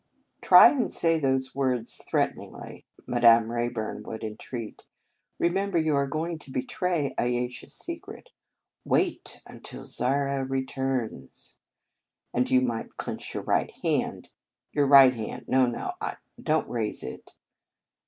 "Try and say those last words threateningly," Madame Rayburn would entreat. " Remember you are going to betray Ayesha s secret. Wait until Zara returns. And you might clench your right hand. Your right hand. No, no, don t raise it.